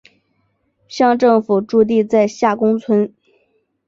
乡政府驻地在下宫村。